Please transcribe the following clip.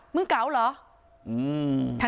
มึงเกาหรอ